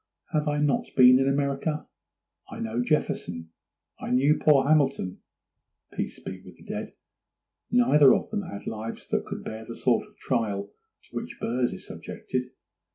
Have I not been in America? I know Jefferson; I knew poor Hamilton—peace be with the dead! Neither of them had lives that could bear the sort of trial to which Burr's is subjected.